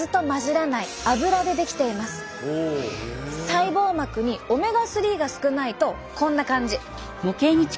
細胞膜にオメガ３が少ないとこんな感じ。